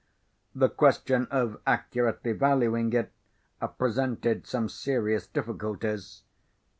The question of accurately valuing it presented some serious difficulties.